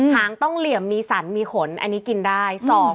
หางต้องเหลี่ยมมีสันมีขนอันนี้กินได้